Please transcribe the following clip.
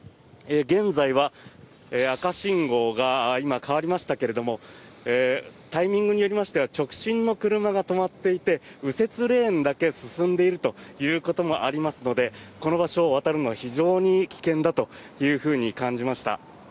現在は赤信号が今、変わりましたがタイミングによりましては直進の車が止まっていて右折レーンだけ進んでいるということもありますのでこの場所を渡るのは非常に危険だと感じました。